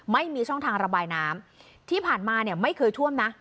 ไม่มีช่องทางระบายน้ำที่ผ่านมาเนี่ยไม่เคยท่วมนะ